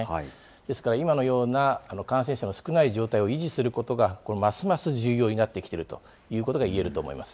ですから今のような感染者の少ない状況を維持することがますます重要になってきているということがいえると思います。